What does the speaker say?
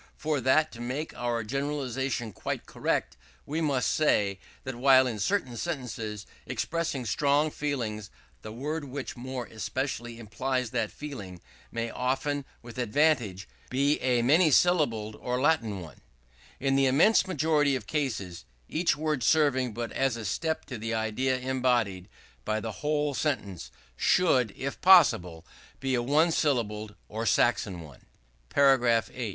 So that to make our generalization quite correct we must say, that while in certain sentences expressing strong feeling, the word which more especially implies that feeling may often with advantage be a many syllabled or Latin one; in the immense majority of cases, each word serving but as a step to the idea embodied by the whole sentence, should, if possible, be a one syllabled or Saxon one. § 8.